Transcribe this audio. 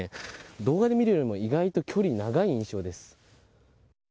動画で見るよりも意外と距離が長い印象です。